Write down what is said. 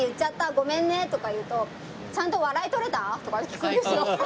「ごめんね」とか言うと「ちゃんと笑い取れた？」とか聞くんですよ。